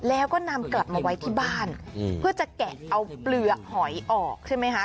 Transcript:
แล้วก็นำกลับมาไว้ที่บ้านเพื่อจะแกะเอาเปลือหอยออกใช่ไหมคะ